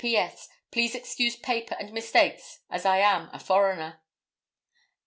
P. S.—Please excuse paper and mistakes as I am a foreigner.